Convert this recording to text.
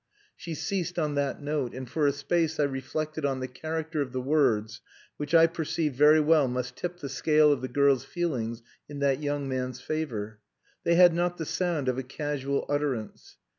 She ceased on that note, and for a space I reflected on the character of the words which I perceived very well must tip the scale of the girl's feelings in that young man's favour. They had not the sound of a casual utterance.